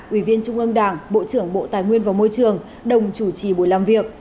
ủy viên trung ương đảng bộ trưởng bộ tài nguyên và môi trường đồng chủ trì buổi làm việc